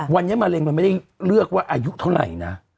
วันนี้มะเร็งมันไม่ได้เลือกว่าอายุเท่าไหร่นะ